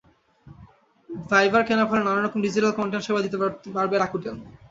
ভাইবার কেনার ফলে নানা রকম ডিজিটাল কনটেন্ট সেবা দিতে পারবে রাকুটেন।